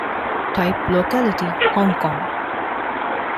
Type locality: Hong Kong.